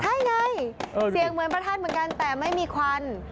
ใช่ไงเสียงเหมือนพระธาตุเหมือนกันแต่ไม่มีควัน